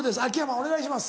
お願いします。